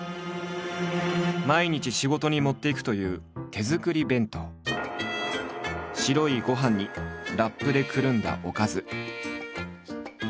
毎日仕事に持っていくという白いご飯にラップでくるんだおかず。